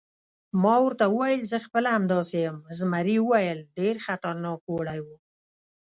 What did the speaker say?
ما ورته وویل: زه خپله همداسې یم، زمري وویل: ډېر خطرناک اوړی و.